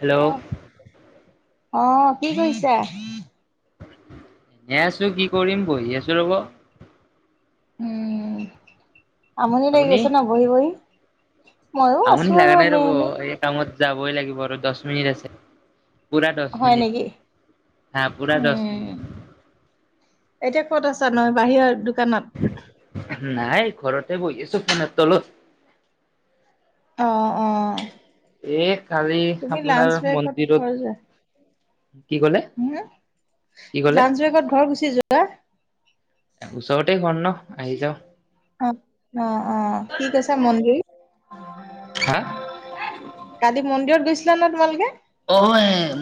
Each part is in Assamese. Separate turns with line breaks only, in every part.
হেল্ল'?
আহ কি কৰিছা?
এনে আছো কি কৰিম বহি আছো ৰ'ব।
উম, আমনি লাগি
আপুনি
গৈছে ন, বহি, বহি। ময়ো
আমনি
আছো আৰু
লগা নাই
এনে
ৰ'ব।
এনে।
এই কামত যাবই লাগিব আৰু দহ মিনিট আছে। পূৰা দচ
হয়
মিনিট,
নেকি?
হা, পূৰা দহ
উম,
মিনিট।
এতিয়া ক'ত আছা, নহ বাহিৰৰ দোকানত।
নাই ঘৰতে ব, এছো ফোন তল
অ', অ',
কালি
তুমি
আপোনাৰ
লাঞ্চ ব্ৰেকত
মন্দিৰত
স, যে
কি ক'লে
হম
কি ক'লে
লাঞ্চ বেগত ঘৰ গুচি যোৱা।
ওচৰতে ঘ, ন, আহি যাওঁ।
অ', অ', অ', কি কৈছে মন্দিৰ।
হা?
কালি মন্দিৰত গৈছিলা নে তোমালোকে।
অ,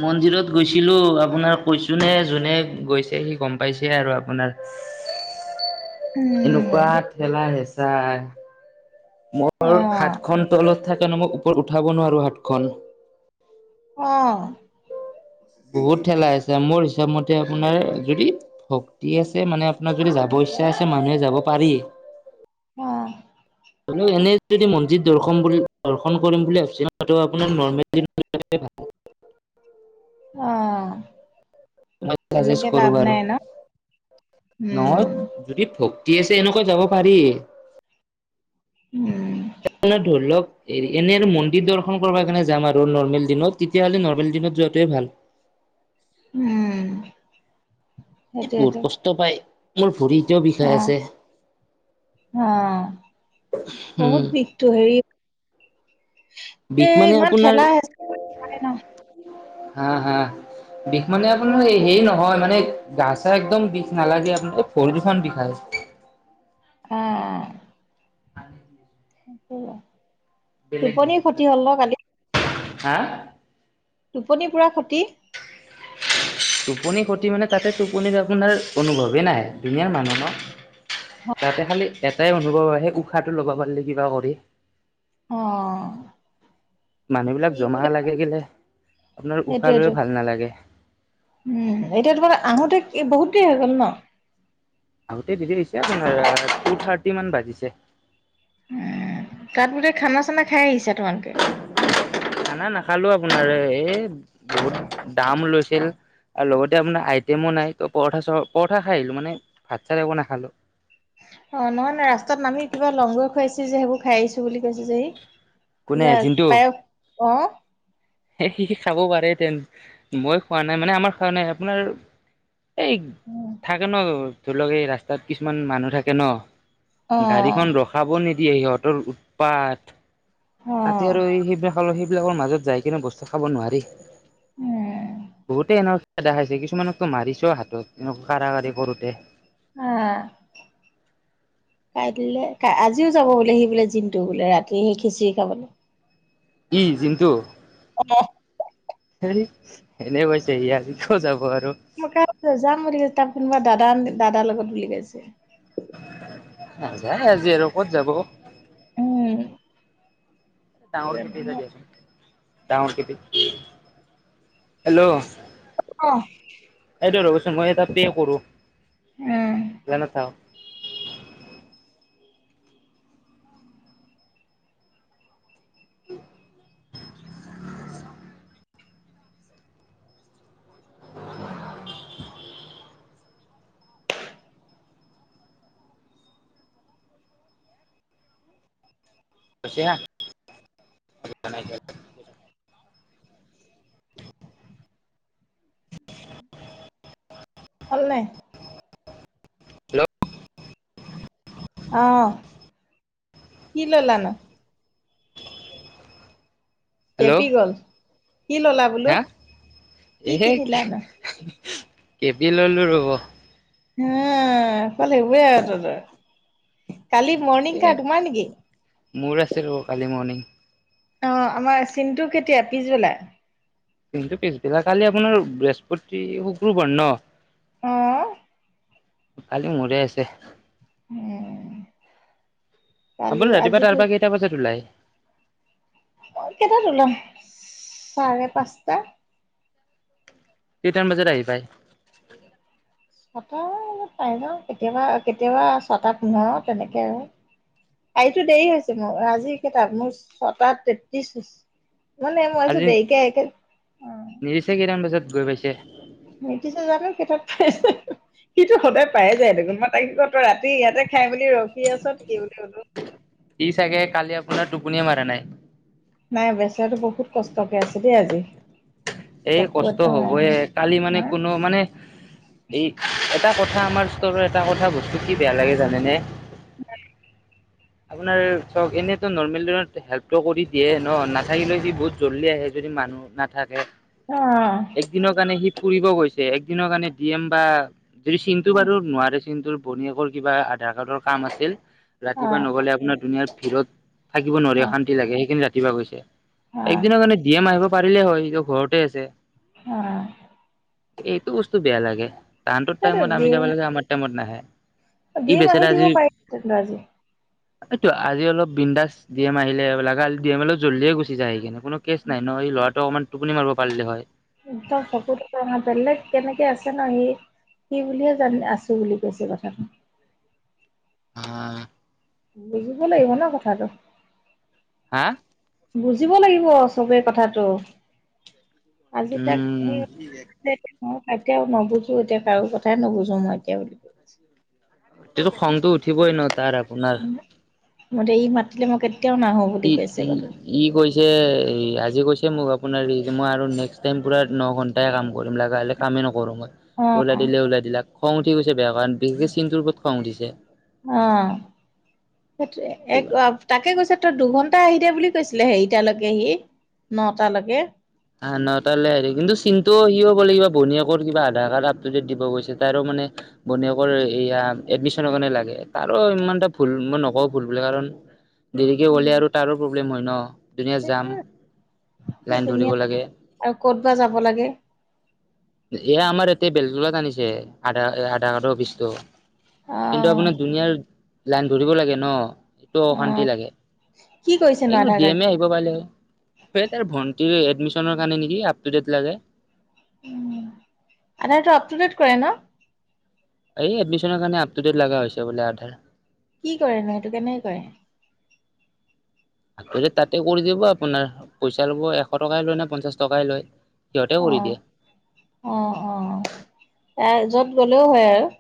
মন্দিৰত গৈছিলো আপোনাৰ কৈছো নে যোনে গৈছে সি গম পাইছে। আৰু আপোনাৰ এনেকুৱা
উম,
ঠেলা, হেঁচা মোৰ
অ',
হাতখন তলত থাকে নে মই ওপৰত উঠাব নোৱাৰো হাতখন।
আহ।
বহুত ঠেলা আছে মোৰ হিচাপ মতে আপোনাৰ যদি ভক্তি আছে মানে আপোনাৰ যদি যাব আছে মানুহে যাব পাৰি
[unintelligible] অ',
হ এনে যদি মন্দিৰ দৰ্শন বুলি দৰ্শন কৰিম বুলি ভাবিছিলো আপোনাৰ নৰ্মেল
আহ,
মইাজেষ্ট কৰো বাৰু নহয়
উম,
যদি থোক আছে এনেকৈ যাব পাৰি
উম,
ধৰল এ এনেই আৰু মন্দিৰ দৰ্শন কৰ কাৰণে যাম আৰু নৰ্মেল দিনত তেতিয়াহ'লে নৰ্মেল দিনত যোৱাটোৱে ভাল
উম,
এই মোৰ
সেইটোৱেটো
কষ্ট পায় মোৰ ভৰি কেতিয়া বিষাই
অ'।
আছে
অ
উ
বহুত বিষটো হেৰি এ
বিক মানে
ইমান
আপোনাৰ
ঠেলা হেচা ন
হা হা বিষ মানে আপোনাৰ হেৰি নহয় মানে গা চা একদম বিষ নালাগে আপোনাক পৰিদূষণ বিষায়
উম,
হয়,
টোপনি
বিষ
ক্ষতি হল ন কালি?
হা
টোপনি পূৰা ক্ষতি
টোপনি ক্ষতি মানে তাতে টোপনিত আপোনাৰ অনুভৱেই নাই ধুনীয়া মানুহ ন তাতে খালি এটাই অনুভৱ হয় সেই উশাহটো লগব পাৰিলে কিবা কৰি
অ',
মানুহবিলাক
ই
জমা
বোলে
লাগে গলে আপোনাৰ উশাহ
সেইটোয়েতো
লৈ ভাল নালাগে
উম, এতিয়া তোমাৰ আহোতে বহুত দেৰি হৈ গ'ল ন
আগোতে দিৰি দিছে আপোনাৰ টু থাৰ্টি মান বাজিছে
উ তাত বোটে খানা চানা খাই আহিছা তোমালোকে
খানা নাখালো আপোনাৰ এই বহুত দাম লৈছিল আৰু লগতে আপোনাৰ আইটেমো নাই ত পৰঠা পৰঠা খাই আহিলো মানে ভাত চাত একো নাখালো
অ নহয় ন ৰাস্তাত নামি কিবা লংগৈ খুৱাইছি যে সেইবোৰ খাই আহিছো বুলি কৈছে যেহি
কোনে
কিবা
জিনটো
পায়স আহ
খাব পাৰে তেন মই খোৱা নাই মানে আমাৰ খোৱা নাই আপোনাৰ এই থাকে ন ধৰি লওক এই ৰাস্তাত কিছুমান মানুহ থাকে ন
অ
গাড়ীখন ৰখাব নিদিয়ে সিহঁতৰ উৎপাত
অ
তাতে আৰু এই সেইবিলাক সেইবিলাকৰ মাজত যাই কিনে বস্তু খাব নোৱাৰি
উম
বহুতেই এনৰ দেখাইছে কিছুমানকতো মাৰিছ হাতত এনেকৰাৱা়ঢ়ি কৰোতে
আহ কাই দিলে ক আজিও যাব বোলে সি বোলে জিনটো বোলে ৰাতি সেই খিচিৰি খাবলৈ
ই জিণ্টু
অ',
এনে পৈছে ইি আজ কিয় যাব আৰু
ক যাম বুলি তাৰ কোনোবা দাদা দাদাৰ লগত উল গাইছে
নাযায় আজি আৰু ক'ত যাব
উম,
ডাঙৰ খতি য আছ ডাঙৰ খতি হেল্ল'
অ',
ৰ'চোন মই এটা পে কৰো
উম
নাও কছো
হল নাই?
হেল্ল'
আহ কি ললা নো? কেপি
হেল্ল'
গ'ল কি ললা বোলো
হা
কি
এ
কিনিলানো
কেবি ললো ৰব
হা কাল একে আৰু ত তই কালি মৰ্ণিং
এ
কাটমান নে কি?
মোৰ আছে ৰ'ব কালি মৰ্ণিং
অ'আমাৰ চিনটো কেতিয়া, পিছবেলা?
কিন্তু পিছবিলাক কালি আপোনাৰ বৃহস্পতি শুক্ৰবাৰ ন
আহ
খালি মৰে আছে
কালি
আপাৰ ৰাতিপুৱা
আজিতো
তাৰ পৰা কেইটা বজাত ওলাই
অ কেইটাত ওলাম চাৰে পাঁচটা
কিইটামান বজাত আহি পায়?
ছটা পাই যাওঁ, কেতিয়াবা-কেতিয়াবা ছটাতো নও তেনেকে আৰু কালতো দেৰি হৈছে মোৰ আজি কেইটা মোৰ ছটা তেত্ৰিশ হৈছে মানে মই
আজি
আছো দেৰিকে একেল
নিৰিছে কেইটামান বজাত গৈ পাইছে
মট চ যোৱত প সিটো সদায় পায়ে যায় দেখোন মই তাক ক তই ৰাতি ইয়াতে খাই মেল ৰখি আছ নেকি বুলি কলো
কি চাগে কালি আপোনাৰ টোপনিয়ে মাৰা নাই
নাই বেচাৰো বহুত কষ্টকে আছে দেই আজি
এ
চকু
কষ্ট
একদম
হবয়ে
ৰঙা
কালি মানে
হা
কোনো মানে এই এটা কথা কথা আমাৰ ষ্টৰৰ এটা কথা বস্তু কি বেয়া লাগে জানেনে
উ
আপোনাৰ চক এনেইতো নৰ্মেল দিনত হেল্পটো কৰি দিয়ে ন নাথাকিলে সি বহুত জলদি আহে যদি যদি মানুহ নাথাকে
অ
একদিনৰ কাৰণে সি ফুৰিব গৈছে একদিনৰ কাৰণে ড এম বা যদি চিনন্তু বাৰু নোৱাৰে চিনন্তুৰ বনীয়েকৰ কিবা আধাৰ কাৰ্ডৰ কাম আছিল ৰাতি ৰাতিপুৱা
অ
নগ'লে আপোনাৰ দুুনিয়াৰ ভিৰত থাকিব
অ
নোৱাৰে
অ অ
শান্তি লাগে সেইখিনি ৰাতিপুৱা গৈছে একদিনৰ কাৰণে ডিয়েম আহিব পাৰিলে হয় ঘৰতে আছে
অ
এইটো বস্তু বেয়া লাগে টানটোৰ টাইমত আমি যাব লাগে আমাৰ টাইমত নাহে ই
দিম
বেচেৰা
আহি দিব
আজি
পাৰিন্তু আজি
এইটো আজি অল বিন্দডাচ ডি এম আহিলো ডি এম অলপ জল্লিয়ে গুচি যায় সেই কিনে কোনো কেছ নাই মান এই লৰাটো আমাৰ টোপনি মাৰিব পাৰিলে হয়
একদম চকুতাৰ বেলেগ কেনেকে আছে ন সি কি বুলিয়ে জান আছো বুলি কৈছে কথাটো
হ
বুজিব লাগিব ন কথাটো
হা
বুজিব লাগিব চবে কথাটো আজি তাক
উম
সেই এতিয়াও নুবুজো এতিয়া কাৰো কথাই নুবুজো মই এতিয়া বুলি কৈছ
সটো খংতো উঠিবই ন তাৰ আপোনাৰ
মইতে ই মাতিলে মই কেতিয়াও নাহো বুলি
ই
কৈছে
ই
কথা
ই কৈছে আজি কৈছে তাকে মোক আপোনাৰ মই আৰু নেক্সট টাইম পূৰা ন ঘণ্টাই কাম কৰিম লগাগা হ'লে কামেই নকৰোঁ মই
অ
ওলাই দিলে ওলাই দিলাকা খং উঠি গৈছে বেয়া কাৰণ বিশেষকে চিনন্তটোৰ ওপৰত খং উঠিছে
অ সেইটো এক তাকে গৈছে তই দুঘন্টা টা আহি দা বুলি কৈছিলে হেৰিটালৈকে সি নটালৈকে
হা ন তালে হেৰি কিন্তু চিনন্তটো স হ' লাগিবা ভনীয়েকৰ কিবা আধাৰ কাৰ্ড আপটুডেট দিব গৈছে তাৰো মানে বনীয়েকৰ এয়া এডমিশনৰ কাৰণে লাগে তাৰো ইমান এটা ভুল মই নকওঁ ভুল বোলে কাৰণ দেৰিকে লে আৰু তাৰো প্ৰব্লেম হয় ন
সেইটো
ধৰিব
ধুনীয়া
লাগে
আৰু ক'ত বা যাব লাগে
এয়া আমাৰ বেলতলাত আনিছে আধা আধ কাৰ্ডৰ অফিচটো কিন্তু
অ
আপোনাৰ দুুনীয়াৰ লাইন ধৰিব লাগে ন এইটো
অ',
অশান্তি লাগে
কি কৰিছেনো
এইন্ত
আধাৰ
ডমে
কাৰ্ডটো?
আহিব পাৰিলে ত ভন এডমিচনৰ কাৰণে নেকি?
আটো আপ টু ডেট কৰে ন?
এই এডমিচনৰ কাৰণে আপ ট ডট লগা হৈছে বোলে আধাৰ
কি কৰেনো এইটো কেনেক কৰে
আ তাতে কৰি দিব আপোনাৰ পইচা ল'ব এশ টকাই লয় নে পঞ্চাশ টকাই লয় সিহঁতে কৰি
অ',
দিয়া
অ', অ', এ য'ত গ'লেও হয় আৰু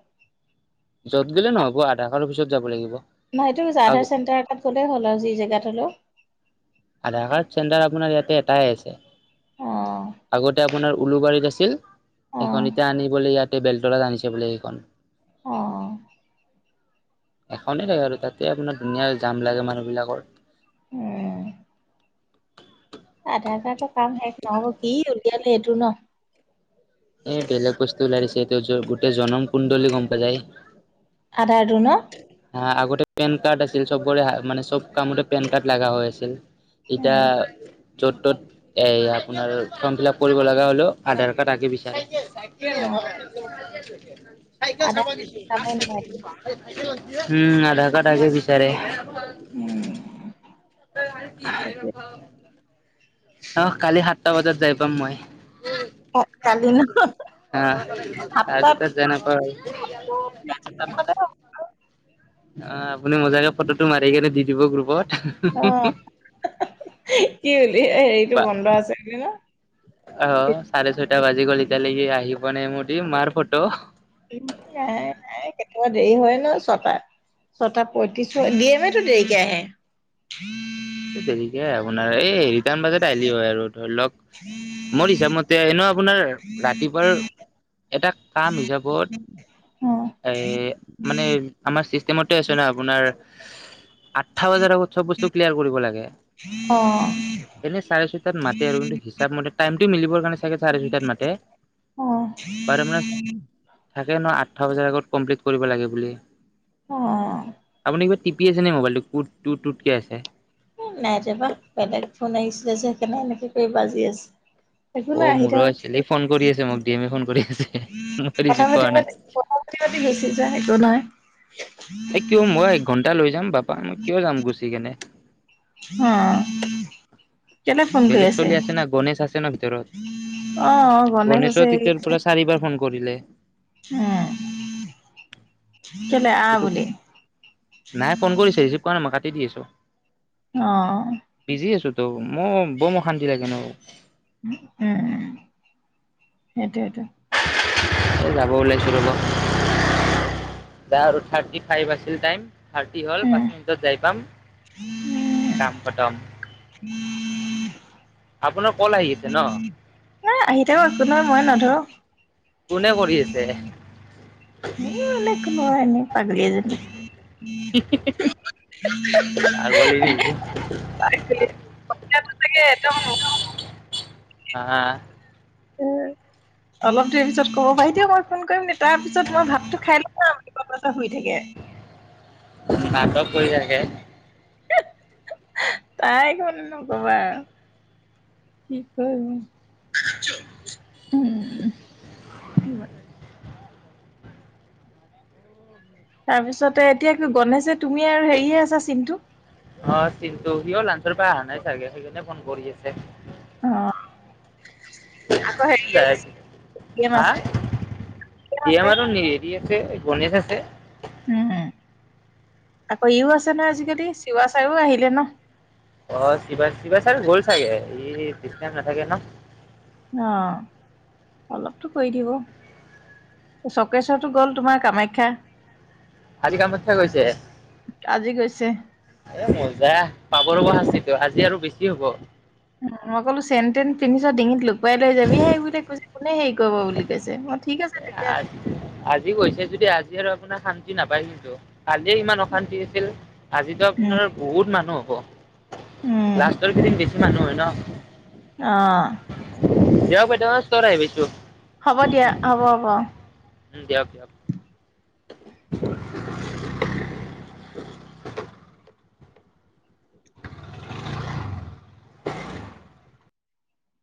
যত গিললে নহ'ব আধা কাৰৰ পিছত যাব লাগিব
নাইটো
আৰু
জাধাৰ চেণ্টাৰ এটাত গ'লেই হ'ল আৰু যি জেগাত হলেও
আধাৰ কাৰ্ড চেণ্টাৰ আপোনাৰ ইয়াতে এটাই আছে
অ',
আগতে আপোনাৰ উলুবাৰীত আছিল
অ'।
সেইখন এতিয়া আনিবোলে ইয়াতে বেলতলত আনিছে বোলে সেইখন
অ',
এখনেই থাগে আৰু তাতে আপোনাৰ ধুনীয়া জাম লাগে মানুহবিলাকৰ
উম, আধাৰ কাৰ্ডৰ কাম শেষ নহব কি উলিয়ালে এইটো ন
এই বেলেগ বস্তু ওলাই দিছে এইটো গোটেই জনম কুণ্ডলী গম পায় যায়
আধাৰ টু ন
হা আগতে পেন কাৰ্ড আছিল সবৰে মানে চব কামতে পেন কাৰ্ড লাগা হৈ আছিল এতিয়া
অ',
য'ত-ত'ত এ আপোনাৰ ফৰ্ম ফিলাপ কৰিব লগা হ'লেও আধাৰ কাৰ্ড আগে বিচাৰে চাইকেল অ চাইকেল
আধাৰ
চাবা দিছো
কামেই নহয় এইটো।
পাচ উম, আধাৰ কাৰ্ড আগে বিচাৰে
উম,
ত ভাল ঠিকাই
সেইটোৱে
ৰখাওক অ', কালি সাতটা বজাত যাই পাম মই
কালি ন
অ', চাৰে
সাতটাত
ছয়টাত জাই নাপাও আৰু অ', পুনি মজাকে ফটোটো মাৰি কেনে দি দিব গ্ৰুপত
অ' কি হলি হেৰিতটো
বা
বন্ধ আছে বুলি ন
অ', চাৰেছয়টা বাজি গল এতিয়ালৈকে সি আহি পোৱা নাই দি মাৰ ফটো
কেতিয়া দেৰি হয় ন ছটা ছটা পয়ত্ৰিশ এ হল এটিএমটো দেৰিকে আহে
এই দেৰিকে আপোনাৰ এই ৰিটাৰ্ণ বাজাত আহিলি হয় আৰু ধৰি লওক মোৰ হিচাপমতে এনে আপোনাৰ ৰাতিপুৱাৰ এটা কাম হিচাপত এ মানে আমাৰ সময়মতে আছে না আপোনাৰ আতটা বজাৰ আগত চব বস্তু ক্লিয়াৰ কৰিব লাগে
অ',
এনে চাৰে ছয়টাত মাতে আৰু কিন্তু হিচাপ মতে টাইমটো মিলিবৰ কাৰণে চাগে চাৰে ছয়টাত মাতে
অ
পাৰ মান থাকে ন আতটা বজাৰ আগত কমপ্লিট কৰিব লাগে বুলি
অ
আপুনি কি টি পি আছেনে মোবাইলটো কুড টুট টুট কে আছে
নাই যাবা বেলেগ ফোন আহিছে যে সেইকাৰণে এনেকে কৰি বাজি আছে একো
অ'
নাই আহি
মোৰো
থাকক
আছিলে এই ফোন কৰি আছে মোক ডি এমে ফোন কৰি আছে মই ৰিচিভ কৰা নাই।
প্ৰথমতে গেছি যায় সেইটো নাই
এই কিয় মই এক ঘণ্টা লৈ যাম বাপা, মই কিয় যাম গুচি কেনে।
অহ।
বেলেগ চলি আছে না, গণেশ আছে না
অ
ভিতৰত।
গণেশ আছে
গণেশৰ তেতিয়াৰ পৰা চাৰিবাৰ ফোন কৰিলে।
অহ।
সেইটো, নাই ফোন কৰিছে ৰিচিভ কৰা নাই মই কাটি দি আছোঁ।
অহ।
ত' মোৰ বৰ অশান্তি লাগে ন'।
উম, সেইটোৱেটো।
[unintelligible] যাব ওলাইছোঁ ৰ'বা। যাওঁ আৰু থাৰ্টি ফাইভ আছিল টাইম থাৰ্টি হ'ল
উম
পাঁচ মিনিটত যাই পাম। কাম খটম। আপোনাৰ কল আহি আছে ন
[unintelligible] এ আহি থাকক একো নহয় মই নধৰোঁ।
ফোনে কৰি আছে।
সেই এনেই একো নহয় এনেই পাগলীজনী।
পাগলী নেকি?
[unintelligible] [unintelligible] [unintelligible]
হা?
উম, অলপ দেৰি পিছত কব পাৰি দিয়ক, মই ফোন কৰিম তাৰপিছত মই ভাতটো খাই লম। একদম দুপৰীয়াৰ পৰা লৈকে শুই থাকে।
নাটক কৰি থাকে।
[unintelligible] তাইকো নকবা আৰু। কি কয় [unintelligible] উম', উম'। তাৰপিছতে এতিয়া কি গণেশে তুমিয়ে আৰু হেৰিয়ে আছা চিন্টো।
অহ, চিন্টো সিও লাঞ্চৰ পৰা অহা নাই চাগে, সেইকাৰণে ফোন কৰি আছে।
অহ, আকৌ হেৰি
যায়
আহিছে এ টি এম আছে। গেম
দি
আছে।
এম আৰু হেৰি আছে গণেশ আছে।
উম, আকৌ ইয়ো আছে নহয় আজিকালি চিৱা ছাৰো আহিলে ন।
অহ, চিৱা-চিৱা ছাৰো গ'ল চাগে ই বেছি টাইম নাথাকে ন।
অহ, অলপতো কৰি দিব। চৰ্কেশ্বৰতো গ'ল তোমাৰ কামাখ্যা।
আজি কামাখ্যা গৈছে,
আজি গৈছে।
এ মজা। পাৰ ৰব শাস্তিতো, আজি আৰু বেছি হ'ব।
মই কলোঁ চেন-তেন কিনিছা, ডিঙিত লুকুৱাই লৈ যাবিহেই, বোলে কৈছে কোনে হেৰি কৰিব বুলি কৈছে মই ঠিক আছে তেতিয়াহ'লে
আ-আজি গৈছে যদি আজি আৰু আপোনাৰ শান্তি নাপায় কিন্তু। কালিয়ে ইমান অশান্তি হৈছিল আজিতো
উম
আপোনাৰ বহুত মানুহ হ'ব।
উম
লাষ্টৰ কেইদিন বেছি মানুহ হয় ন।
অ
দিয়ক বাইদেউ ষ্টোৰ আহি পাইছোঁ।
হ'ব দিয়া। হ'ব, হ'ব।
উম', দিয়াক, দিয়ক। [unintelligible]